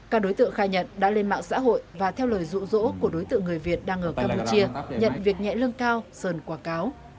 các đối tượng khai nhận đã lên mạng xã hội và theo lời rụ rỗ của đối tượng người việt đang ở campuchia nhận việc nhẹ lương cao sơn quảng cáo